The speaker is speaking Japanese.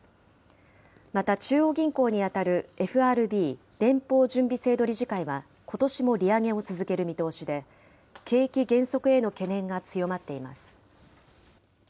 また、中央銀行に当たるＦＲＢ・連邦準備制度理事会は、ことしも利上げを続ける見通しで、景気減速への懸念が強まっています。